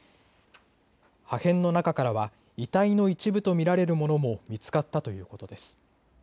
破片の中からは遺体の一部と見られるものも見つかったということです。